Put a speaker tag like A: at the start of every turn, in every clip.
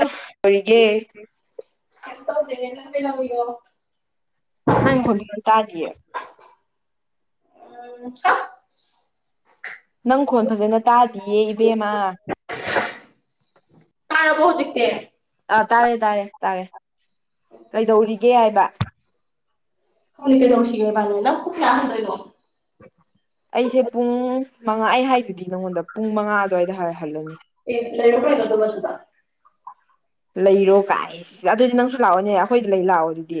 A: ꯑꯣ ꯑꯣꯏꯒꯦ
B: ꯀꯌꯩꯝ ꯇꯦꯗꯦ ꯅꯪ ꯀꯩꯗꯧꯔꯤꯅꯣ
A: ꯅꯩ ꯈꯣꯟꯖꯦꯟ ꯇꯥꯗꯤꯌꯦ
B: ꯎꯝ ꯀꯥ
A: ꯅꯪ ꯈꯣꯟ ꯐꯖꯅ ꯇꯥꯗꯤꯌꯦ ꯏꯕꯦꯝꯃ
B: ꯇꯥꯔꯕꯣ ꯍꯧꯖꯤꯛꯇꯦ
A: ꯑꯥ ꯇꯥꯔꯦ ꯇꯥꯔꯦ ꯇꯥꯔꯦ ꯀꯩꯗꯧꯔꯤꯒꯦ ꯍꯥꯏꯕ
B: ꯀꯩꯗꯧ ꯁꯤꯒꯦ ꯏꯕꯥꯅꯤ ꯅꯪ ꯄꯨꯡ ꯀꯌꯥ ꯍꯟꯗꯣꯏꯅꯣ
A: ꯑꯩꯁꯦ ꯄꯨꯡ ꯃꯉꯥ ꯑꯩ ꯍꯥꯏꯗꯨꯗꯤ ꯅꯪꯉꯣꯟꯗ ꯄꯨꯡ ꯃꯉꯥ ꯑꯗꯨꯋꯥꯏꯗ ꯍꯥꯏ ꯍꯜꯂꯅꯤ
B: ꯑꯦ ꯂꯩꯔꯣ ꯀꯩꯅꯣ ꯑꯗꯨꯝ ꯑ ꯗꯨꯗ
A: ꯂꯩꯔꯣ ꯒꯥꯏꯁ ꯑꯗꯨꯗꯤ ꯅꯪꯁꯨ ꯂꯥꯛꯑꯣꯅꯦ ꯑꯩꯈꯣꯏꯗ ꯂꯩ ꯂꯥꯛꯑꯣ ꯑꯗꯨꯗꯤ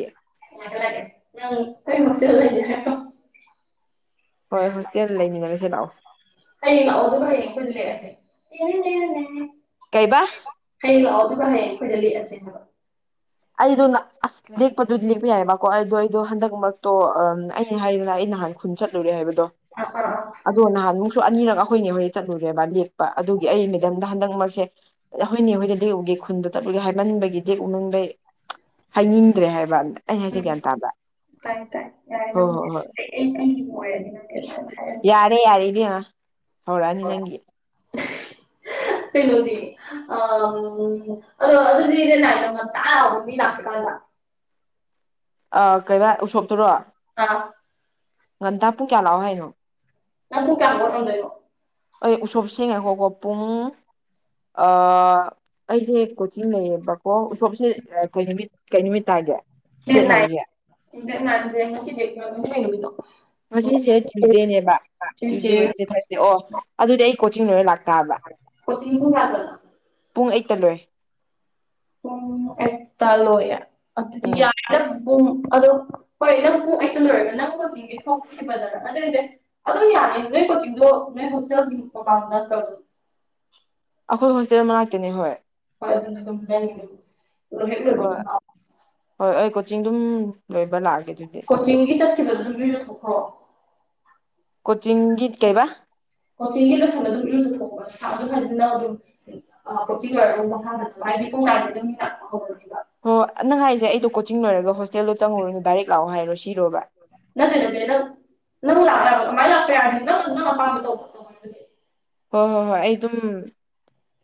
B: ꯉꯛꯀꯦ ꯂꯥꯛꯒꯦ ꯅꯪ ꯍꯣꯁꯇꯦꯜ ꯂꯩꯖꯦ ꯍꯥꯏꯔꯣ
A: ꯍꯣꯏ ꯍꯣꯁꯇꯦꯜ ꯂꯩꯃꯤꯟꯅꯔꯁꯤ ꯂꯥꯎ
B: ꯍꯌꯦꯡ ꯂꯥꯛꯑꯣ ꯑꯗꯨꯒ ꯍ꯭ꯌꯦꯡ ꯑꯈꯣꯏꯗ ꯂꯦꯛꯑꯁꯦ ꯇꯦ ꯅꯦ ꯅꯦ
A: ꯀꯩꯕꯥ
B: ꯍꯌꯦꯡ ꯂꯥꯛꯑꯣ ꯑꯗꯨꯒ ꯍꯌꯦꯡ ꯑꯩꯈꯣꯏꯗ ꯂꯦꯛꯑꯁꯦ ꯍꯥꯏꯕ
A: ꯑꯩꯗꯣ ꯅ ꯑꯁ ꯂꯦꯛꯄꯗꯨꯗꯤ ꯂꯦꯛꯄ ꯌꯥꯏꯌꯦꯕꯀꯣ ꯑꯩꯏꯗꯣ ꯑꯩꯗꯣ ꯍꯟꯗꯛ ꯃꯔꯛꯇꯣ ꯑꯝ ꯑꯩꯅ ꯍꯥꯏꯗꯅ ꯑꯩ ꯅꯍꯥꯟ ꯈꯨꯟ ꯆꯠꯂꯨꯔꯦ ꯍꯥꯏꯕꯗꯣ ꯑꯗꯣ ꯅꯍꯥꯟ ꯃꯨꯛ ꯁꯨ ꯑꯅꯤꯔꯛ ꯑꯈꯣꯏꯅꯦ ꯍꯣꯏ ꯆꯠꯂꯨꯔꯦꯕ ꯂꯦꯛꯄ ꯑꯗꯨꯒꯤ ꯑꯩ ꯃꯦꯗꯝꯗ ꯍꯟꯗꯛꯃꯔꯛꯁꯦ ꯑꯗ ꯑꯩꯈꯣꯏꯅꯦ ꯍꯣꯏꯗ ꯂꯦꯛꯎꯒꯦ ꯈꯨꯟꯗ ꯆꯠꯂꯨꯒꯦ ꯍꯥꯏꯃꯟꯕꯒꯤ ꯗꯦꯛꯎꯅꯪꯂꯩ ꯍꯥꯏꯅꯤꯡꯗ꯭ꯔꯦ ꯍꯥꯏꯕꯗ
B: ꯎꯝ ꯇꯥꯏ ꯇꯥꯏ ꯌꯥꯔꯦ
A: ꯍꯣꯏ ꯍꯣꯏ
B: ꯅꯪꯕꯨꯗꯤ
A: ꯍꯣꯏ
B: ꯑꯩ ꯑꯩ ꯑꯣꯏꯔꯗꯤ ꯅꯪꯗꯤ ꯑꯗꯨꯃꯥꯏ ꯗꯨꯝ ꯍꯥꯏꯔꯗꯤ
A: ꯍꯣꯏ ꯌꯥꯔꯦ ꯏꯕꯦꯝꯃ ꯍꯧꯔꯛꯑꯅꯤ ꯅꯪꯒꯤ
B: [unintelligible] ꯑꯥꯎ ꯑꯗꯣ ꯑꯗꯨꯗꯤꯅꯦ ꯉꯥꯟꯇ ꯑꯥꯎꯋꯨ ꯃꯤ ꯀꯥꯛꯇ꯭ꯔꯤꯀꯥꯟꯗ
A: ꯑ ꯀꯩꯕꯥ ꯎꯁꯣꯞꯇꯨꯔꯣ
B: ꯑꯥꯎ
A: ꯉꯟꯇꯥ ꯄꯨꯡ ꯀꯌꯥ ꯂꯥꯛꯑꯣ ꯍꯥꯏꯅꯣ
B: ꯅꯪ ꯄꯨꯡ ꯀꯌꯥ ꯍꯧꯒꯠꯉꯝꯗꯣꯏꯅꯣ
A: ꯑꯩ ꯎꯁꯣꯞ ꯁꯦ ꯉꯥꯈꯣꯀꯣ ꯄꯨꯡ ꯑ ꯑꯩꯁꯦ ꯀꯣꯆꯤꯡ ꯂꯩꯌꯦꯕ ꯑꯣ ꯎꯁꯣꯞꯁꯦ ꯑ ꯀꯩ ꯅꯨꯃꯤꯠ ꯀꯩ ꯅꯨꯃꯤꯠ ꯇꯥꯒꯦ ꯗꯦꯠ ꯅꯥꯏꯟꯖꯦ
B: ꯗꯦꯠ ꯅꯥꯟꯖꯦ ꯉꯁꯤ ꯗꯦꯠ ꯉꯝ ꯉꯁꯤ ꯀꯩ ꯅꯨꯃꯤꯠꯅꯣ
A: ꯉꯁꯤꯁꯦ ꯇ꯭ꯌꯨꯁꯗꯦꯅꯦꯕ ꯇ꯭ꯌꯨꯁꯗꯦ ꯋꯥꯏꯅꯁꯗꯦ ꯇ꯭ꯔꯁꯗꯦ ꯑꯣ ꯑꯗꯨꯗꯤ ꯑꯩ ꯀꯣꯆꯤꯡ ꯂꯣꯏꯔ ꯂꯥꯛꯇꯥꯕ
B: ꯀꯣꯆꯤꯡ ꯄꯨꯡ ꯀꯌꯥꯗꯅꯣ
A: ꯄꯨꯡ ꯑ°ꯠꯇꯥ ꯂꫭꯏ
B: ꯄꯨꯡ ꯑꯦꯠꯇꯥ ꯂꯣꯏꯌꯦ ꯑꯗꯨꯗꯤ
A: ꯎꯝ
B: ꯌꯥꯅꯤꯗꯥ ꯄꯨꯡ ꯑꯗꯣ ꯍꯣꯏ ꯅꯪ ꯄꯨꯡ ꯑꯩꯠ ꯇ ꯂꯣꯏꯔꯒ ꯅꯪ ꯀꯣꯆꯤꯡꯒꯤ ꯊꯣꯛꯈꯤꯕꯗꯔ ꯑꯗꯨꯏꯗꯤ ꯑꯗꯣ ꯌꯥꯅꯤ ꯅꯣꯏ ꯀꯣꯆꯤꯡꯗꯣ ꯅꯣꯏ ꯍꯣꯁꯇꯦꯜꯒꯤ ꯃꯥꯃꯥꯡ ꯅꯠꯇꯣ ꯗꯨꯝ
A: ꯑꯩꯈꯣꯏ ꯍꯣꯁꯇꯦꯜ ꯃꯅꯥꯛꯇꯅꯤ ꯍꯣꯏ
B: ꯄꯦꯏꯔꯕꯅꯤ ꯇꯨ ꯑꯗꯨꯝ ꯂꯩꯔꯝꯃꯒꯤ ꯄꯔꯠ ꯍꯦꯛ ꯔꫭꯏꯕꯒꯥ
A: ꯍꯣꯏ
B: ꯂꯦꯛꯑꫭ
A: ꯍꯣꯏ ꯑꯩ ꯀꯣꯆꯤꯡ ꯑꯗꯨꯝ ꯂꯣꯏꯕ ꯂꯥꯛꯑꯒꯦ ꯑꯗꯨꯗꯤ
B: ꯀꯆꯤꯡꯒꯤ ꯆꯠꯈꯤꯕꯗꯨꯗꯥ ꯅꫭꯏ ꯔꯥꯏꯅꯥ ꯊꫭꯛꯈꯔꫭ
A: ꯀꯣꯆꯤꯡꯒꯤ ꯀꯩ ꯍꯥꯏꯕꯥ
B: ꯀꯣꯆꯤꯡꯒꯤ ꯆꯠꯈꯤꯕꯥꯗ ꯑꯗꯨꯝ ꯏꯔꯨꯖ ꯊꯣꯛꯑꫭ ꯁꯥꯗꯧ ꯔꯩꯂꯥꯃꯤꯅꯥ ꯑꯃꯨꯛ ꯀꫭꯆꯤꯡ ꯂꯣꯏꯔꯒ ꯃꯈꯥꯗ ꯊꫭꯛꯔꯛꯑꫭ ꯍꯥꯏꯗꯤ ꯄꯨꯡ ꯉꯥꯏꯗꯥꯅꯤꯅꯥ
A: ꯍꯣ ꯍꫭꯏ ꯅꯪ ꯍꯥꯏꯁꯦ ꯑꯩꯗꯣ ꯀꯣꯆꯤꯡ ꯂꯣꯏꯔꯒ ꯍꯣꯁꯇꯦꯜꯗꯣ ꯆꯪꯉꯨꯔꯅꫭ ꯗꯥꯏꯔꯦꯛ ꯂꯥꯛꯑꯣ ꯍꯥꯏꯔꯣ ꯁꯤꯔꯣꯕꯥ꯫
B: ꯅꯠꯇꯦ ꯅꯠꯇꯦ ꯅꯪ ꯅꯪ ꯂꯥꯛꯄꯥ ꯌꯥꯕ ꯑꯗꯨꯃꯥꯏꯅꯥ ꯅꯪ ꯑꯄꯥꯝꯕꯥ ꯇꯧꯑꫭ
A: ꯍꯣꯏ ꯍꯣꯏ ꯍꯣꯏꯏ ꯫ꯑꯩ ꯑꯗꯨꯝ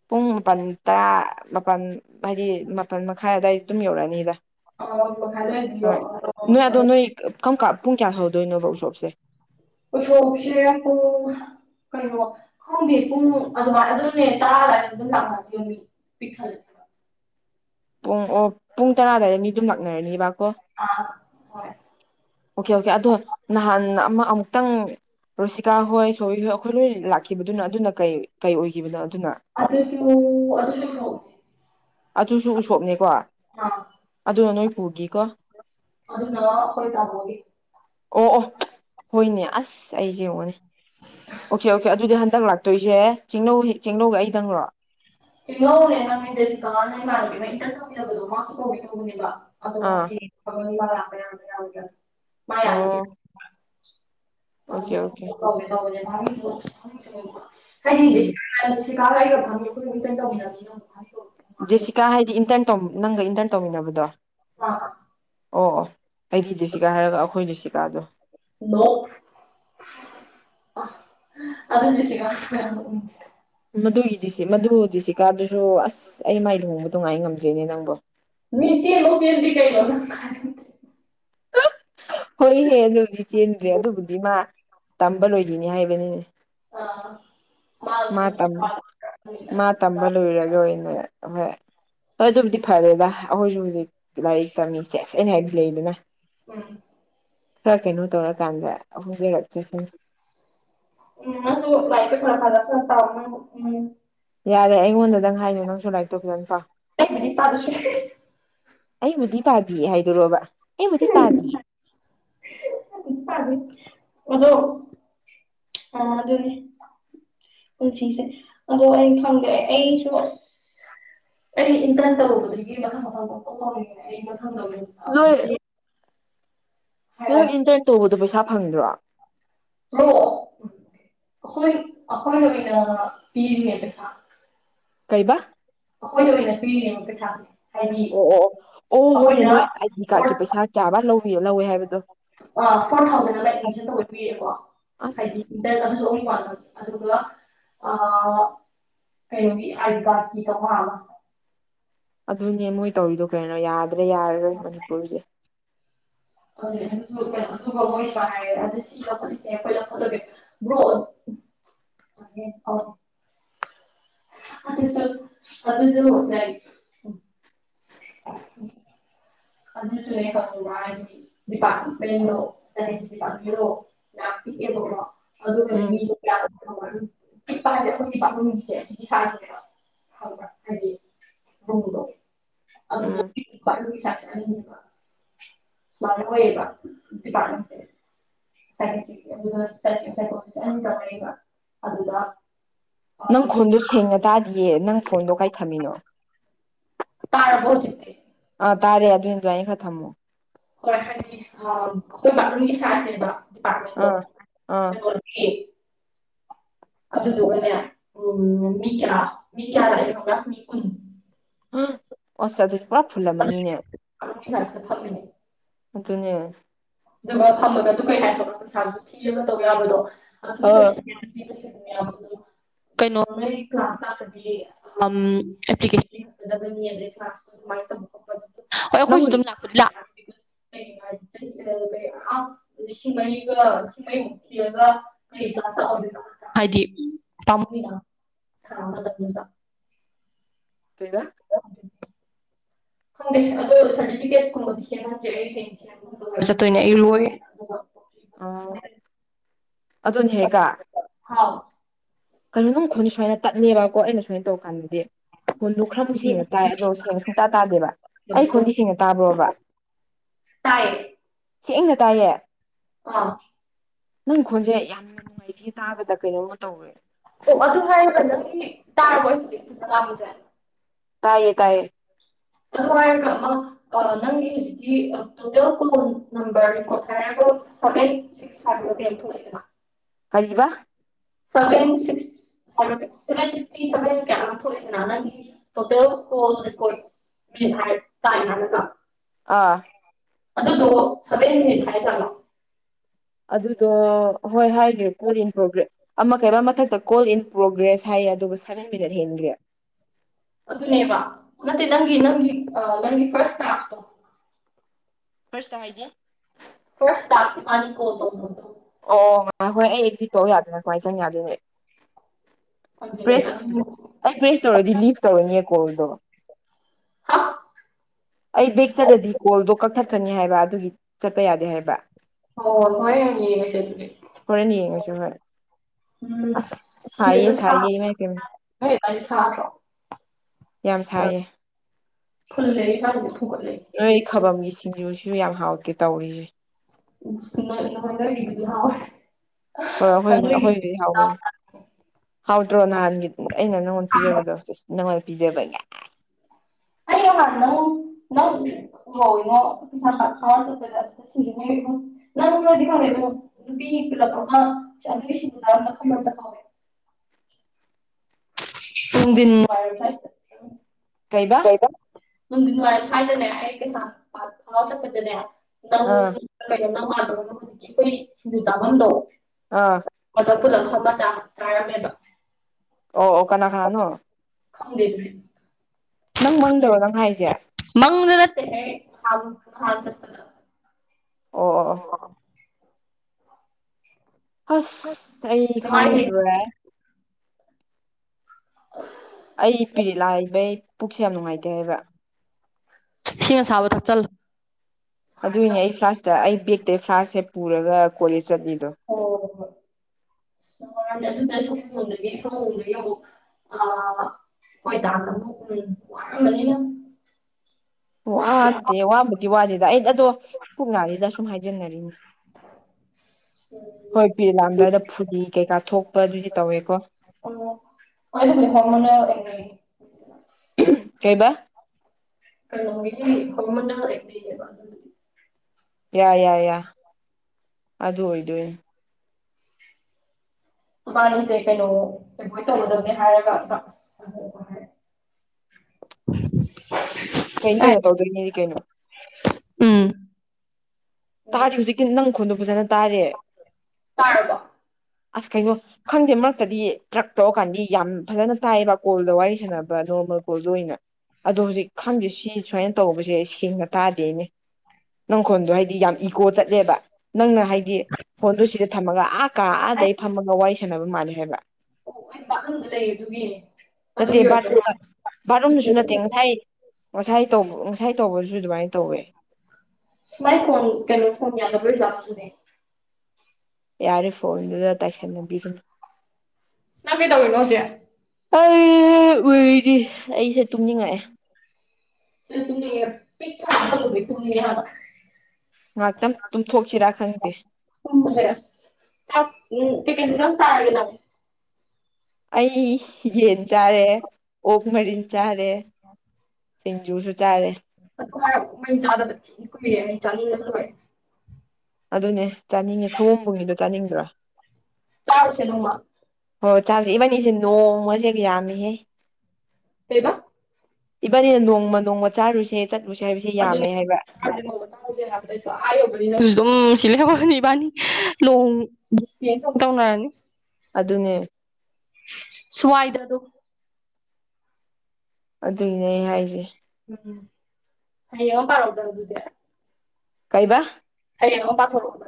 A: ꯄꯨꯡ ꯃꯥꯄꯜ ꯇꯔꯥ ꯃꯥꯄꯜ ꯍꯥꯏꯗꯤ ꯃꯥꯄꯜ ꯃꯈꯥꯏꯗꯗꯤ ꯑꯗꯨꯋꯥꯏꯗ ꯑꯗꯨꯝ ꯌꯧꯔꯛ ꯑꯅꯤꯗꯥ꯫
B: ꯑꫭꯑꫭ ꯃꯄꯥꯜ ꯃꯈꯥꯏ ꯑꯗꯨꯋꯥꯏ ꯋꯥ ꯌꯧꯔꯛꯑꫭ
A: ꯀꯝꯀꯥꯟ ꯗ ꯄꯨꯡ ꯀꯌꯥꯗ ꯊꯧꯍꯗꯣꯏꯅꯣꯕꯣ ꯎꯁꫭꯞꯁꯦ
B: ꯎꯁꫭꯞꯁꯤ ꯄꯨꯡ ꯀꯩꯅꫭ ꯈꯪꯗꯦ ꯄꯨꯡ ꯑꯗꯨꯃꯥꯏꯅ ꯑꯗꯨ ꯅꯦ ꯇꯥ ꯑꯗꯨꯋꯥꯗꯥ ꯑꯗꯨꯝ ꯂꯥꯛꯗꫭꯏ ꯅꯤꯅꯥ ꯄꯤꯛꯈꯠꯂꯦ
A: ꯄꯨꯡ ꯑꯣ ꯄꯨꯡ ꯇꯔꯥ ꯑꯗꯨꯋꯥꯏꯗ ꯃꯤ ꯑꯗꯨꯝ ꯂꯥꯛꯅꯔꯅꯤ ꯕ
B: ꯑꯥꯑ ꯍꯣꯏ
A: ꯑꯣꯀꯦ ꯑꯣꯀꯦ ꯑꯗꯣ ꯅꯍꯥꯟꯅ ꯑꯃ ꯑꯃꯨꯛꯇꯪ꯫ ꯔꯣꯁꯤꯀꯥ ꯍꯣꯏ ꯊꫭꯏ ꯍꯣꯏ ꯑꯩꯈꯣꯏ ꯂꯣꯏ ꯂꯥꯛꯈꯤꯕꯗꯨꯅ ꯑꯗꯨꯅ ꯀꯩ ꯀꯩ ꯑꯣꯏꯈꯤꯕꯅꯣ ꯑꯗꯨꯅꯥ꯫
B: ꯑꯗꯨꯁꯨ ꯑꯗꯨꯁꯨ ꯐꯥꯎꯅꯤ
A: ꯎꯁꫭꯞꯅꯦꯀꯣ ꯑꯗꯨꯅ ꯅꯣꯏ ꯄꯨꯈꯤꯀꯣ꯫ ꯑꯣ ꯑꯣ ꯍꯣꯏꯅꯦ ꯑꯥꯁ ꯑꯩꯁꯤ ꯌꯦꯡꯉꯣꯅꯦ꯫ ꯑꯣꯀꯦ ꯑꯣꯀꯦ ꯑꯗꯨꯗꯤ ꯍꯟꯗꯛ ꯂꯥꯛꯇꯣꯏꯁꯤ ꯆꯤꯡꯅꯧ ꯆꯤꯡꯅꯧꯒ ꯑꯩꯗꯪ ꯔꯣ꯫
B: ꯆꯤꯡꯔꯧꯅ° ꯅꯪꯅ° ꯋ°ꯁꯤꯉꯥꯅ° ꯏꯃꯥꯟꯅꯕꯤ ꯃꯥ ꯏꯇꯟ ꯇꯧꯃꯤꯟꯅꯕꯤꯗꫭ ꯃꯥꯁꯨ ꯀꯧꯒ° ꯇꯧꯅꯦꯕꯥ ꯑꯗꯣ
A: ꯑꯥ
B: ꯍꯌꯦ ꯈꯪꯗꯦ ꯃꯥ ꯔꯥꯇꫭꯏꯔꯥ ꯔꯥꯛꯑꫭꯏꯗꯔꯤꯔꯥ
A: ꯑꯣ ꯑꯣꯀꯦ
B: ꯈꯪꯗꯦ
A: ꯑꯣꯀꯦ
B: ꯍꯪꯗꯔꯗꯤ
A: ꯎꯝ
B: ꯍꯥꯏ [unintelligible] [inaudible] ꯁꯥꯔꯒꯥ ꯑꯩꯒꯥ ꯐꯝꯃꯤ ꯏꯞꯇꯟ ꯇꯧꯃꯤꯅꯥꯕꯤꯅꯤꯅꯥ
A: ꯖꯦꯁꯤꯀꯥ ꯍꯥꯏꯗꯤ ꯏꯟꯇꯔꯟ ꯅꯪꯒꯥ ꯏꯟꯇꯔꯟ ꯇꯧꯃꯤꯟꯅꯥꯕꯗꯣ꯫
B: ꯑꯥꯑꯥ
A: ꯑꯣ ꯑꯣ꯫ ꯑꯩꯗꯤ ꯖꯤꯁꯤꯀꯥ ꯍꯥꯏꯔꯒ ꯑꯩꯈꯣꯏꯒꯤ ꯖꯤꯁꯤꯀꯥꯗꯣ
B: ꯅꫭꯑꯗꯨꯒꯤ ꯖꯁꯤꯀꯥꯗꯨ ꯅꯠꯇꯦ
A: ꯃꯗꯨꯒꯤ ꯗꯤꯁꯤ ꯃꯗꯨ ꯗꯤꯁꯤꯀꯥꯗꯨꯁꯨ ꯑꯥꯁ ꯑꯩ ꯃꯥꯏ ꯂꯨꯍꯣꯡꯕꯗꫭ ꯉꯥꯏꯕꯥ ꯉꯝꯗ꯭ꯔꯤꯅꯦ ꯅꯪꯕꫭ꯫
B: ꯃꯤ ꯆ°ꯟꯐꯥꯎ ꯆ°ꯟꯗꯔꯤ ꯀꯩꯅꫭ ꯅꯪꯅꯥ ꯉꯥꯡꯉꯤꯗꯨꯕꫭ
A: ꯍꯣꯏꯌ° ꯑꯗꯨꯕꯨꯗꯤ ꯆꯦꯟꯗ꯭ꯔꯤ ꯑꯗꯨꯕꯨꯗꯤ ꯃꯥ ꯇꯝꯕ ꯂꯣꯏꯈꯤꯅꯤ ꯍꯥꯏꯕꯅꯤꯅꯦ꯫
B: ꯃꯥꯒꯤ ꯅꯨꯄꯥꯗꯨꯅꯥ
A: ꯇꯝꯕꯥ ꯔꫭꯏꯔꯥ ꯡꯏꯔꯒ ꯑꯣꯏꯅꯅ ꯑꯍꫭꯏ ꯍꯣꯏ ꯑꯗꯨꯕꯨꯗꯤ ꯐꯔꯦꯗ ꯑꯩꯈꯣꯏꯁꯨ ꯍꯧꯖꯤꯛ ꯂꯥꯏꯔꯤꯛ ꯇꯝꯃꯤ꯫ ꯁꯤꯁ ꯑꯩꯅ ꯍꯥꯏꯗꯤ ꯂꯩꯗꯅ ꯈꯔ ꯀꯩꯅꯣ ꯇꯧꯔꯀꯥꯟꯗ ꯍꯧꯖꯔꯛꯆꯥꯖꯥꯅꯤ꯫
B: ꯎꯝ ꯃꯥꯁꯨ ꯂꯥꯏꯇ ꯐ꯭ꯔ ꯐꯥꯔꯛꯀꯨꯝ꯫ ꯇꯧꯕꯅꯤ꯫
A: ꯌꯥꯔꯦ ꯑꯩꯉꯣꯟꯗꯥꯗꯪ ꯍꯥꯏꯅꯤ ꯅꯪꯁꯨ ꯂꯥꯏꯔꯤꯛꯇꫭ ꯐꯥꯖꯅꯥ ꯄꯥꯎ
B: ꯑꯦꯕꯨꯗꯤ ꯄꯥꯗꯔꯁꯨ ꯌꯥꯏ
A: ꯑꯩꯕꯨꯗꯤ ꯄꯥꯕꯤꯌꯦ ꯍꯥꯏꯗꯨꯔꯣ ꯕꯥ꯫ ꯑꯩꯕꯨꯗꯤ ꯄꯥꯕꯤꯌꯦ
B: ꯄꯥꯗꫭꯏꯅꯤ ꯑꯗꯣ ꯑ ꯑꯗꯨꯅꯦ ꯄꯨꯟꯁꯤꯁꯦ꯫ ꯑꯗꯣ ꯑꯩꯅ ꯈꯪꯗꯦ ꯑꯩꯁꯨ ꯑꯥꯁ ꯑꯩ ꯏꯟꯇꯔꯟ ꯇꯧꯔꯨꯕꯗꯒꯤ ꯃꯊꯪ ꯃꯊꯪ ꯄꯪꯇꯧ ꯇꯧꯅꯤꯡꯉ° ꯃꯊꯪ ꯇꯧꯗꯧ
A: ꯂꫭꯏꯔ° ꯏꯟꯇꯔꯠ ꯇꯧꯕꯗꯣ ꯄꯩꯁꯥ ꯐꯪꯗ꯭ꯔꯣ
B: ꯅꯣ ꯑꯩꯈꯣꯏ ꯑꯩꯈꯣꯏꯅ ꯑꯣꯏꯅ ꯄꯤꯔꯤꯅꯦ ꯄꯩꯁꯥ
A: ꯀꯩꯕꯥ
B: ꯑꯩꯈꯣꯏꯅ ꯑꯣꯏꯅ ꯄꯤꯔꯤꯅꯦꯕ ꯄꯩꯁꯥꯁꯦ
A: ꯑꯣ ꯑꯣ ꯑꯣ ꯑꯣ ꯍꯣꯏꯅꯦ ꯅꯣꯏ ꯑꯥꯏꯗꯤ ꯀꯥꯔꯗꯀꯤ ꯄꯩꯁꯥ ꯀꯌꯥꯕ ꯂꯧꯕꯤꯌ ꯂꯧꯋꯦ ꯍꯥꯏꯕꯗꯣ
B: ꯑ ꯐꯣꯔ ꯊꯥꯎꯖꯟ ꯑꯃ ꯑꯦꯗꯃꯤꯁꯟ ꯇꯧꯕꯩ ꯄꯤꯔꯦꯀꯣ
A: ꯑꯁ
B: ꯍꯥꯏꯗꯤ [unintelligible] ꯑꯥꯏꯕꯤ ꯑꯥꯏꯗꯤꯀꯥꯔꯗꯀꯤ ꯆꯧꯉꯥ ꯑꯃ
A: ꯑꯗꯨꯅꯦ ꯃꯣꯏ ꯇꯧꯔꯤꯗꯣ ꯀꯩꯅꯣ ꯌꯥꯗ꯭ꯔꯦ ꯌꯥꯔꯔꯣꯏ ꯃꯅꯤꯄꯨꯔꯁꯦ
B: ꯑꯗꯨ ꯅꯁꯨ ꯀꯩꯅꯣ ꯑꯗꯨꯒ ꯃꯣꯏ ꯁ ꯍꯥꯏꯔꯦ ꯑꯗꯨ ꯁꯤ ꯂꯧꯈꯠꯂꯤꯁꯦ ꯑꯩꯈꯣꯏ ꯂꯧꯈꯠꯂꯒꯦ [unintelligible] ꯑꯁ ꯆꯠꯂꯨ ꯑꯗꯨꯗꯃꯨꯛꯅꯦ [unintelligible] ꯑꯗꯨꯁꯨꯅꯦ ꯈꯪꯕ꯭ꯔꯥ ꯍꯥꯏꯗꯤ ꯗꯤꯄꯥꯔꯠꯃꯦꯟꯗꯣ ꯌꯥꯝ ꯄꯤꯑꯦꯕꯀꯣ ꯑꯗꯨꯅꯦ
A: ꯎꯝ
B: ꯃꯤꯗ ꯄꯤꯛꯄ ꯍꯥꯏꯁꯦ ꯑꯈꯣꯏ ꯆꯥꯛꯈꯨꯝꯁꯦ ꯑꯁꯤꯒꯤ ꯁꯥꯏꯁꯅꯦꯕ ꯈꯪꯕ꯭ꯔꯥ ꯍꯥꯏꯗꯤ ꯔꯨꯝꯗꯣ ꯑꯗꯨꯗꯣ
A: ꯎꯝ
B: ꯄꯤꯛꯑ ꯕꯣꯜꯗ ꯔꯨꯝꯒꯤ ꯁꯥꯏꯁ ꯑꯗꯨꯃꯥꯏꯅ ꯑꯣꯏꯌꯦꯕ ꯗꯤꯄ꯭ꯔꯥꯗꯃꯦꯟꯁꯦ [unintelligible] ꯇꯧꯔꯒ ꯑꯗꯨꯗ
A: ꯅꯪ ꯈꯣꯟꯗꯣ ꯁꯦꯡꯅ ꯇꯥꯗꯤꯌꯦ ꯅꯪ ꯐꯣꯟꯗꯣ ꯀꯥꯏ ꯊꯝꯃꯤꯅꯣ
B: ꯇꯥꯔꯕꯣ ꯍꯧꯖꯤꯛꯇꯤ
A: ꯑꯥ ꯇꯥꯔꯦ ꯑꯗꯨꯅꯤ ꯑꯗꯨꯃꯥꯏꯅ ꯈꯔ ꯊꯝꯃꯣ
B: ꯍꯣꯏ ꯍꯥꯏꯗꯤ ꯑꯩꯈꯣꯏ ꯕꯥꯔꯗꯔꯨꯝꯒꯤ ꯁꯥꯏꯁꯅꯦꯕ ꯗꯤꯄꯥꯔꯠꯃꯦꯟꯗꯣ
A: ꯑꯥ ꯑꯥ
B: ꯑꯗꯨꯗꯨꯒꯅꯦ ꯎꯝ ꯃꯤ ꯀꯌꯥ ꯃꯤ ꯀꯌꯥ ꯂꯥꯛꯑꯦ ꯈꯪꯕ꯭ꯔꯥ ꯃꯤ ꯀꯨꯟ
A: ꯑ ꯑꯁ ꯑꯗꯨ ꯄꯨꯔꯥ ꯐꯨꯜꯂꯝꯃꯅꯤꯅꯦ
B: ꯑꯝ ꯐꯤꯌꯥꯁꯇ ꯐꯝꯃꯤꯅꯤ
A: ꯑꯗꯨꯅꯦ
B: ꯑꯗꯨꯒ ꯐꯝꯃꯒꯗꯨ ꯀꯩ ꯍꯥꯏꯗꯒ ꯄꯩꯁꯥꯗꯨ ꯊꯤꯔꯒ ꯇꯧ ꯌꯥꯕꯗꯣ ꯑꯗꯨꯝ
A: ꯑꯥ
B: ꯆꯠꯂ ꯄꯤꯛꯑꯁꯨ ꯑꯗꯨꯝ ꯌꯥꯝꯕꯗꯣ ꯀꯩꯅꯣ ꯀ꯭ꯂꯥꯁ ꯂꯥꯛꯇꯔꯗꯤ ꯑꯄ꯭ꯂꯤꯀꯦꯁꯟ ꯏꯔꯛꯀꯗꯕꯅꯤ ꯑꯗꯩ ꯀ꯭ꯂꯥꯁ ꯑꯗꯨꯃꯥꯏꯅ ꯇꯧꯕ ꯈꯣꯠꯄ ꯍꯣꯏ
A: ꯅꯪ
B: ꯑꯩꯈꯣꯏꯁꯨ
A: ꯍꯧꯖꯤꯛ
B: ꯑꯗꯨꯝ ꯂꯥꯛꯄꯨꯗꯤ ꯂꯥꯛ ꯑꯗꯨꯝ ꯀꯩꯒꯤꯅꯣ ꯍꯥꯏꯗꯤ ꯆꯩ ꯌꯧꯋꯦ ꯑ ꯂꯤꯁꯤꯡꯃꯔꯤꯒ ꯁꯨꯝꯃꯩ ꯊꯤꯔꯒ ꯀꯔꯤ ꯀ꯭ꯂꯥꯁ ꯂꯥꯛꯑꯣꯏꯗ꯭ꯔꯤꯅꯣ ꯍꯥꯏꯗꯤ ꯇꯝꯍꯣꯏꯅ [unintelligible]
A: [unintelligible]
B: ꯈꯪꯗꯦ ꯑꯗꯣ ꯁꯔꯇꯤꯐꯤꯀꯦꯠ ꯀꯨꯝꯕꯒꯤ [unintelligible] ꯆꯠꯇꯣꯏꯅꯦ ꯑꯩ ꯂꯣꯏ
A: ꯑ ꯑꯗꯨ ꯑꯗꯨꯅꯦꯍꯦꯛꯒ
B: ꯍꯥꯎ
A: ꯀꯔꯤ ꯅꯪ ꯈꯣꯟ ꯁꯨꯃꯥꯏꯅ ꯇꯠꯅꯦꯕꯀꯣ ꯑꯩꯅ ꯁꯨꯃꯥꯏꯅ ꯇꯧꯔ ꯀꯥꯟꯗꯗꯤ ꯈꯣꯟꯗꯨ ꯈꯔ ꯁꯦꯡꯅ ꯇꯥꯏ ꯑꯗꯣ ꯁꯦꯡ ꯁꯨꯡꯇꯥ ꯇꯥꯗꯦꯕ ꯑꯩ ꯈꯣꯟꯗꯤ ꯁꯦꯡꯅ ꯇꯥꯕ꯭ꯔꯣꯕ
B: ꯇꯥꯏ
A: ꯁꯦꯡꯅ ꯇꯥꯏꯌꯦ
B: ꯑꯥ
A: ꯅꯪ ꯈꯣꯟꯁꯦ ꯌꯥꯝꯅ ꯅꯨꯡꯉꯥꯏꯇꯦ ꯇꯥꯕꯗ ꯀꯩꯅꯣꯝꯃ ꯇꯧꯋꯦ
B: ꯑꯣ ꯑꯗꯨ ꯍꯥꯏꯔꯒ ꯉꯁꯤ ꯇꯥꯔꯥꯕꯣ ꯍꯧꯖꯤꯛ ꯐꯖ ꯉꯥꯡꯕꯁꯦ
A: ꯇꯥꯏꯌꯦ ꯇꯥꯏꯌꯦ [inaudible]
B: ꯅꯪꯒꯤ ꯍꯧꯖꯤꯛꯀꯤ ꯇꯣꯇꯦꯜ ꯀꯣꯜ ꯅꯝꯕꯔ ꯔꯤꯀꯣꯔꯗ ꯈꯔꯒ ꯁꯚꯦꯟ ꯁꯤꯛꯁ ꯍꯥꯏꯕ꯭ꯔꯥ ꯀꯩꯅꯣꯝ ꯊꯣꯛꯏꯗꯅ
A: ꯀꯔꯤꯕ
B: ꯐꯚꯦꯟ ꯁꯤꯛꯁ ꯁꯀ ꯊꯣꯛꯅꯥ ꯅꯄꯣ ꯃꯤ ꯍꯥꯏ ꯇꯥꯏ ꯍꯥꯏꯅꯒ
A: ꯑꯥ
B: ꯑꯗꯨꯗꯣ ꯁꯚꯦꯟ ꯃꯤꯅꯤꯠ ꯍꯥꯏ ꯆꯠꯂꯣ
A: ꯑꯗꯨꯗꯣ ꯍꯣꯏ ꯍꯥꯏꯈ꯭ꯔꯦ ꯀꯣ ꯏꯟ ꯄ꯭ꯔꯣꯒ꯭ꯔ ꯑꯃ ꯀꯩꯕ ꯃꯊꯛꯇ ꯀꯣꯜ ꯏꯟ ꯄ꯭ꯔꯣꯒ꯭ꯔꯦꯁ ꯍꯥꯏꯌꯦ ꯑꯗꯨꯒ ꯁꯚꯦꯟ ꯃꯤꯅꯠ ꯍꯦꯟꯒ꯭ꯔꯦ
B: ꯑꯗꯨꯅꯦꯕ ꯅꯠꯇꯦ ꯅꯪꯒꯤ ꯅꯪꯒꯤ ꯑ ꯅꯪꯒꯤ ꯐꯁ ꯇꯥꯛꯁꯇꯣ
A: ꯐꯁꯇ ꯍꯥꯏꯗꯤ
B: ꯐꯁ ꯇꯅꯤ ꯀꯣ ꯇꯣ [unintelligible]
A: ꯑꯣ ꯉꯥ ꯍꯣꯏ ꯑꯩ ꯑꯦꯗꯤꯠꯊꯖꯤ ꯇꯧ ꯌꯥꯗꯅ ꯀꯃꯥꯏꯅ ꯆꯪ ꯌꯥꯗꯣꯏ ꯄ꯭ꯔꯦꯁ ꯑꯩ ꯄ꯭ꯔꯦꯁ ꯇꯧꯔꯗꯤ ꯂꯤꯐ ꯇꯧꯔꯅꯤꯌꯦ ꯀꯣꯜꯗꯣ ꯑꯩ ꯕꯦꯛ ꯆꯠꯂꯗꯤ ꯀꯣꯜꯗꯣ ꯀꯛꯊꯠꯈ꯭ꯔꯅꯤ ꯍꯥꯏꯕ ꯑꯗꯨꯒꯤ ꯆꯠꯄ ꯌꯥꯗꯦ ꯍꯥꯏꯕ
B: ꯑꯣ ꯍꯣꯏꯔꯦꯟ ꯀꯁꯦ ꯑꯗꯨꯗꯤ
A: ꯍꯣꯔꯦꯟ ꯌꯦꯡꯉꯁꯤ ꯍꯣꯏ ꯑꯁ ꯁꯥꯏꯌꯦ ꯁꯥꯏꯌꯦ ꯏꯃꯥꯏ ꯄꯦꯝ
B: ꯅꯣꯏ ꯑꯗꯨꯋꯥꯏꯗꯤ ꯁꯗꯔꯣ
A: ꯌꯥꯝ ꯁꯥꯏꯌꯦ ꯅꯣꯏ ꯈꯕꯝꯒꯤ ꯁꯤꯡꯖꯨꯁꯨ ꯌꯥꯝ ꯍꯥꯎꯇꯦ ꯇꯧꯔꯤꯁꯦ
B: ꯅꯗꯤꯥꯎꯋꯥ [unintelligible]
A: ꯍꯣꯏ ꯑꯩꯈꯣꯏ ꯑꯩꯈꯣꯏꯕꯨꯗꯤ ꯍꯥꯎꯒꯅꯤ ꯍꯥꯎꯗ꯭ꯔꯣ ꯅꯍꯥꯟꯒꯤ ꯑꯩꯅ ꯅꯪꯉꯣꯟꯗ ꯄꯤꯖꯕꯗꯣ ꯆ ꯅꯉꯣꯟꯗ ꯄꯤꯖꯕꯒꯥ
B: ꯍꯥꯟꯅ ꯅ [inaudible] ꯉꯣ ꯁ ꯀ ꯆꯠꯄ [inaudible] ꯅꯪ ꯅꯣꯏꯗꯤ ꯈꯪꯗꯦꯀꯣ ꯅꯨꯄꯤ ꯄꯨꯂꯞ ꯅꯨꯄꯥ ꯃꯤꯃꯤ ꯁꯤꯡꯖꯨ ꯆꯥꯐꯝꯗ ꯆꯠꯄ ꯍꯧꯔꯦ ꯅꯨꯡꯗꯤꯜ ꯋꯥꯏꯔꯝ ꯁꯨꯋꯥꯏꯁꯤꯗ
A: ꯀꯩꯕ
B: ꯀꯩꯕꯥ ꯅꯨꯡꯗꯤꯜ ꯋꯥꯢꯔꯝ ꯁꯥꯏꯗꯅꯦ ꯑꯩ ꯀꯩꯁꯝꯄꯥꯠ ꯐꯥꯎꯔ ꯆꯠꯕꯗꯅꯦ ꯅꯪ
A: ꯑꯥ
B: ꯀꯩꯅꯣ ꯅꯧ ꯃꯥꯟꯗꯒ [unintelligible] ꯑꯩꯈꯣꯏꯒꯤ ꯁꯤꯡꯖꯨ ꯆꯥꯐꯝꯗꯣ
A: ꯑꯥ
B: ꯑꯗꯥ ꯄꯨꯂꯞ ꯐꯝꯃ ꯆꯥꯛ ꯆꯥꯔꯝꯃꯦꯕꯥ
A: ꯑꯣ ꯑꯣ ꯀꯅꯥ ꯀꯅꯥ ꯅꯣ
B: ꯈꯪꯗꯦꯃꯦ
A: ꯅꯪ ꯃꯪꯗꯔꯣ ꯅꯪ ꯍꯥꯏꯁꯦ
B: ꯃꯪꯗ ꯅꯠꯇꯦꯍꯦ ꯅꯍꯥꯟ ꯅꯍꯥꯟꯆꯠꯄꯗ
A: ꯑꯣ ꯑꯣ ꯍꯁ ꯑꯩ ꯈꯪꯗ꯭ꯔꯦ ꯑꯩ ꯄꯤꯔꯠ ꯂꯥꯛꯏꯕꯩ ꯄꯨꯛꯁꯦ ꯌꯥꯝ ꯅꯨꯡꯉꯥꯏꯇꯦ ꯍꯥꯏꯕ
B: ꯏꯁꯤꯡ ꯑꯁꯥꯕ ꯊꯛꯆꯜꯂꯨ
A: ꯑꯗꯨꯏꯅꯦ ꯑꯩ ꯐ꯭ꯂꯥꯁꯇ ꯑꯩ ꯕꯦꯛꯇꯩ ꯐ꯭ꯂꯥꯁ ꯁꯦ ꯄꯨꯔꯒ ꯀꯣꯂꯦꯖ ꯆꯠꯂꯤꯗꯣ
B: ꯍ ꯍꯣꯏꯝ ꯑꯗꯨꯅ ꯁꯣꯝꯗꯒꯤ ꯁꯣꯂꯝꯗꯒꯤ ꯑꯃꯨꯛ [inaudible] ꯑ ꯍꯣꯏ ꯇꯥꯗꯃ ꯎꯝ ꯋꯥꯅ [inaudible]
A: ꯋꯥꯗꯦ ꯋꯥꯕꯨꯗꯤ ꯋꯥꯗꯦꯗ ꯑꯩꯩꯅ ꯑꯗꯣ ꯄꯨꯡ ꯅꯗꯦꯗꯥ ꯁꯨꯝ ꯍꯥꯏꯖꯤꯟꯕꯅꯤ ꯍꯣꯏ ꯄꯤꯔꯠ ꯂꯥꯛꯑꯝꯗꯥꯏꯗ ꯐꯨꯔꯤ ꯀꯩꯀꯥ ꯊꯣꯛꯄ ꯑꯗꯨꯗꯤ ꯇꯧꯋꯦꯀꯣ
B: ꯑꯣ ꯃꯣꯏ ꯑꯗꯨ ꯍꯪꯃꯅ ꯑꯦ [inaudible]
A: ꯀꯩꯕꯥ
B: ꯀꯩꯅꯣꯒꯤ ꯍꯣꯔꯃꯣꯅꯥꯜ ꯑꯥꯛꯅꯤ ꯅꯦꯕ
A: ꯌꯥ ꯌꯥ ꯌꯥ ꯑꯗꯨ ꯑꯣꯏꯗꯣꯏꯅꯤ
B: ꯃꯕꯥꯅꯤꯁꯦ ꯀꯩꯅꯣ ꯑꯦꯚꯣꯏꯠ [inaudible] ꯇꯧꯒꯗꯕꯅꯦ ꯍꯥꯏꯔꯒ ꯑ ꯑꯁ ꯍꯥꯏꯔꯦ [unintelligible]
A: ꯀꯩꯅꯣ ꯌꯥ ꯇꯧꯗꯣꯏꯅꯦꯗꯤ ꯀꯩꯅꯣ
B: ꯎꯝ
A: ꯇꯥꯔꯤ ꯍꯧꯖꯤꯛꯀꯤ ꯅꯪ ꯈꯣꯟꯗꯣ ꯐꯖꯅ ꯇꯥꯔꯦ ꯑꯁ ꯀꯩꯅꯣ ꯈꯪꯗꯦ ꯃꯔꯛꯇꯗꯤ ꯇ꯭ꯔꯛ ꯇꯧꯔꯀꯥꯟꯗꯤ ꯌꯥꯝ ꯐꯖꯅ ꯇꯥꯏꯕ ꯀꯣꯜꯗ ꯋꯥꯔꯤ ꯁꯥꯟꯅꯕ ꯅꯣꯔꯃꯦꯜ ꯀꯣꯜꯗ ꯑꯣꯏꯅ ꯑꯗꯣ ꯍꯧꯖꯤꯛ ꯈꯪꯗꯦ ꯁꯤ ꯁꯨꯃꯥꯏꯅ ꯇꯧꯕꯁꯦ ꯁꯦꯡꯅ ꯇꯥꯗꯦꯅꯦ ꯅꯪꯈꯣꯟꯗꯣ ꯍꯥꯏꯗ ꯏꯒꯣ ꯆꯠꯂꯦꯕ ꯅꯪꯅ ꯍꯥꯏꯗꯤ ꯐꯣꯟꯗꯨ ꯁꯤꯗ ꯊꯝꯃꯒ ꯑꯥ ꯀꯥ ꯑꯥꯗꯩ ꯐꯝꯃꯒ ꯋꯥꯔꯤ ꯁꯥꯟꯅꯕ ꯃꯜꯂꯤ ꯍꯥꯏꯕ ꯅꯠꯇꯦ ꯕꯥ ꯕꯥꯠꯔꯨꯝꯗꯨꯁꯨ ꯅꯠꯇꯦ ꯉꯁꯥꯏ ꯉꯁꯥꯏ ꯇꯧꯕ ꯉꯁꯥꯏ ꯇꯧꯕꯗꯨꯁꯨ ꯑꯗꯨꯃꯥꯏꯅ ꯇꯧꯋꯦ
B: ꯁꯨꯃꯥꯏ ꯐꯣꯟ ꯀꯩꯅꯣ ꯐꯣꯟ ꯌꯥꯗꯩ ꯑꯣꯏꯖꯥꯠꯂꯣ ꯑꯗꯨꯗꯤ
A: ꯌꯥꯔꯦ ꯐꯣꯟꯗꯨꯗ ꯇꯥꯏꯁꯟꯅꯕꯤꯒꯅꯨ ꯑꯩ ꯎꯏꯔꯤ ꯑꯩꯁꯦ ꯇꯨꯝꯅꯤꯡꯉꯛꯑꯦ
B: ꯇꯨꯝꯅꯤꯡꯉꯛꯑꯦꯕ ꯄꯤꯛ ꯊꯟ ꯆꯥꯁꯤꯟꯂꯨꯕꯅꯦ ꯇꯨꯝꯅꯤꯡꯉꯛꯑꯦꯕ
A: ꯉꯥꯛꯇꯪ ꯇꯨꯝꯊꯣꯛꯁꯤꯔꯥ ꯈꯪꯗꯦ
B: [unintelligible]
A: ꯑꯩ ꯌꯦꯟ ꯆꯥꯔꯦ ꯑꯣꯛ ꯃꯔꯤꯟ ꯆꯥꯔꯦ ꯁꯤꯡꯖꯨꯁꯨ ꯆꯥꯔꯦ
B: [unintelligible] ꯆꯥꯅꯤꯡꯕꯅꯥ ꯂꯣꯏꯔꯦ
A: ꯑꯗꯨꯅꯦ ꯆꯥꯅꯤꯡꯉꯦ ꯁꯒꯣꯝꯕꯨꯡꯒꯤꯗꯣ ꯆꯥꯅꯤꯡꯗ꯭ꯔꯣ
B: ꯆꯥꯔꯨꯁꯦ ꯅꯣꯡꯃ
A: ꯑꯣ ꯆꯥꯔꯨꯁꯦ ꯏꯕꯥꯟꯅꯤꯁꯦ ꯅꯣꯡꯃꯁꯦ ꯌꯥꯝꯃꯤꯍꯦ
B: ꯀꯩꯕ
A: ꯏꯕꯥꯅꯤꯅ ꯅꯣꯡꯃ ꯅꯣꯡꯃ ꯆꯥꯔꯨꯁꯦ ꯆꯠꯂꯨꯁꯦ ꯍꯥꯏꯕꯁꯦ ꯌꯥꯝꯃꯦ ꯍꯥꯏꯕ
B: ꯑꯗꯨꯅꯦ ꯉꯣꯡꯃ ꯆꯥꯔꯨꯁꯦ ꯍꯥꯏꯕꯁꯦ ꯑꯥ ꯌꯧꯈꯔꯦ ꯑꯗꯨꯝ ꯁꯨꯝ ꯁꯤꯜ ꯂꯩꯍꯧꯔꯒꯅꯦ ꯏꯕꯥꯅꯤ ꯂꯣꯡ [unintelligible]
A: ꯑꯗꯨꯅꯦ
B: ꯁ꯭ꯋꯥꯏꯗ ꯑꯗꯨꯝ
A: ꯑꯗꯨꯒꯤꯅꯦ ꯑꯩ ꯍꯥꯏꯖꯦ
B: ꯎꯝ ꯁꯩꯔꯦꯡ ꯑꯃ ꯄꯥꯔꯥꯎꯗꯅ ꯑꯗꯨꯗꯤ
A: ꯀꯩꯕꯥ
B: ꯁꯩꯔꯦꯡ ꯑꯃ ꯄꯥꯊꯧꯔꯛꯎ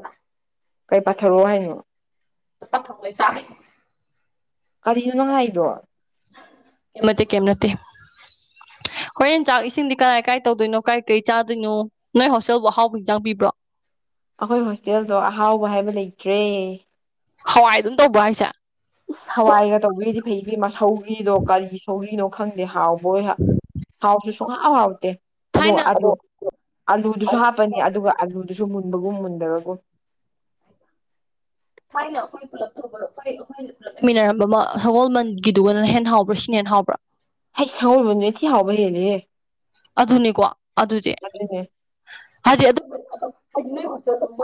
A: ꯀꯩ ꯄꯥꯊꯔꯛꯑꯣ ꯍꯥꯏꯅꯣ
B: [unintelligible]
A: ꯀꯔꯤꯅꯣ ꯅꯪ ꯍꯥꯏꯗꯣ
B: ꯅꯠꯇꯦ ꯀꯩꯏꯝ ꯅꯠꯇꯦ ꯍꯣꯔꯦꯟ ꯆꯥꯛ ꯏꯁꯤꯡꯗꯤ ꯀꯔꯥꯏ ꯀꯥꯏ ꯇꯧꯗꯣꯏꯅꯣ ꯀꯥꯏ ꯀꯩ ꯆꯥꯗꯣꯏꯅꯣ ꯅꯣꯏ ꯍꯣꯁꯇꯦꯜꯕꯨ ꯑꯍꯥꯎꯕ ꯍꯤꯡꯖꯥꯡꯕꯤꯕ꯭ꯔꯣ
A: ꯑꯩꯈꯣꯏ ꯍꯣꯁꯇꯦꯜꯗꯣ ꯑꯍꯥꯎꯕ ꯍꯥꯏꯕ ꯂꯩꯇ꯭ꯔꯦ
B: ꯍꯋꯥꯏ ꯑꯗꯨꯝ ꯇꯧꯕ ꯍꯥꯏꯁꯦ
A: ꯏꯁ ꯍꯋꯥꯏꯒ ꯇꯧꯕꯤꯔꯗꯤ ꯐꯩ ꯏꯕꯦꯃꯥ ꯁꯧꯒꯔꯤꯗꯣ ꯀꯔꯤ ꯁꯧꯒꯔꯤꯅꯣ ꯈꯪꯗꯦ ꯍꯥꯎ ꯕꯣꯏ ꯍꯥ ꯍꯥꯎꯁꯨ ꯁꯨꯡ ꯍꯥꯎ ꯍꯥꯎꯇꯦ ꯑꯗꯨꯒ
B: ꯊꯥꯏꯅ
A: ꯑꯗꯨ ꯑꯂꯨꯗꯨꯁꯨ ꯍꯥꯞꯄꯅꯤ ꯑꯗꯨꯒ ꯑꯂꯨꯗꯨꯁꯨ ꯃꯨꯟꯕꯒꯨꯝ ꯃꯨꯟꯗꯕꯒꯨꯝ
B: ꯐꯅ ꯑꯩꯈꯣꯏ ꯄꯨꯂꯞ ꯇꯧꯕꯔꯣ [inaudible] ꯃꯤꯟꯅꯔꯝꯕ ꯑꯃ ꯁꯒꯣꯜꯕꯟ ꯒꯤꯗꯨꯒꯅ ꯍꯦꯟꯅ ꯍꯥꯎꯕ꯭ꯔꯥ ꯁꯤꯅ ꯍꯦꯟꯅ ꯍꯥꯎꯕ꯭ꯔꯥ
A: ꯍꯩ ꯁꯒꯣꯜꯕꯟ ꯒꯤꯗꯨꯅ ꯊꯤ ꯍꯥꯎꯕ ꯍꯦꯟꯂꯤꯍꯦ
B: ꯑꯗꯨꯅꯤꯀꯣ ꯑꯗꯨꯗꯤ ꯍꯥꯏꯗꯤ [inaudible]